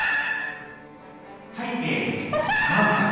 「拝啓万さん